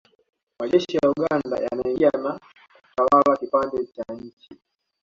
Majeshi ya Uganda yanaingia na kutawala kipande cha nchi